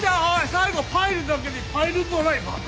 最後パイルだけにパイルドライバーだ。